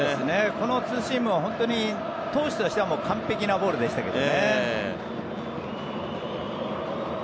このツーシームは本当に投手としては完璧なボールでしたけどね。